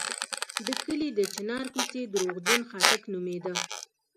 د کلي د چنار کوڅې درواغجن خاټک نومېده.